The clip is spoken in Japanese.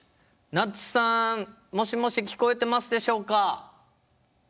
なつさんもしもし聞こえてますでしょうか？